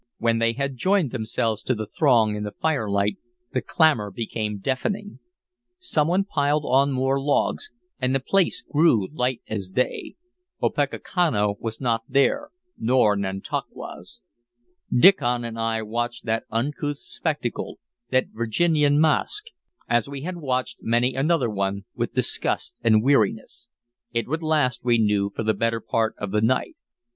When they had joined themselves to the throng in the firelight the clamor became deafening. Some one piled on more logs, and the place grew light as day. Opechancanough was not there, nor Nantauquas. Diccon and I watched that uncouth spectacle, that Virginian masque, as we had watched many another one, with disgust and weariness. It would last, we knew, for the better part of the night.